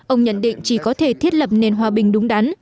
ông nhận định chỉ có thể thiết lập nền hòa bình đúng đắn